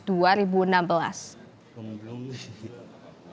bapak belum belum nih